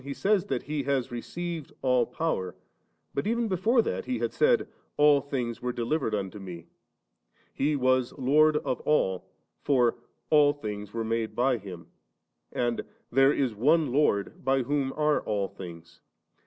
He says that He has received all power ; but even bdfore that He had said, *A11 things were delivered imto Me,' He was Lord of all, for * all things were made by Him ;* and * there is One Lord by whom are all things «.'